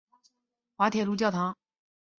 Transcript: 滑铁卢教堂。